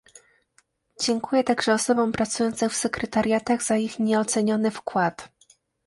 Dziękuję także osobom pracującym w sekretariatach za ich nieoceniony wkład